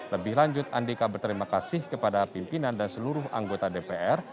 lebih lanjut andika berterima kasih kepada pimpinan dan seluruh anggota dpr